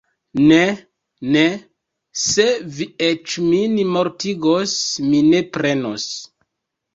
Ne, ne, se vi eĉ min mortigos, mi ne prenos!